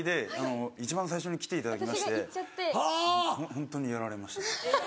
ホントにやられました。